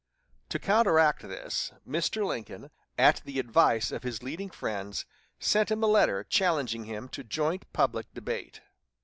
To counteract this, Mr. Lincoln, at the advice of his leading friends, sent him a letter challenging him to joint public debate.